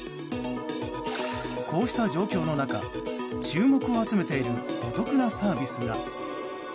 こうした状況の中、注目を集めているお得なサービスが。